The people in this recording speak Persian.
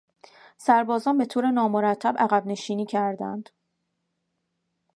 سربازان به طور نامرتب عقب نشینی کردند.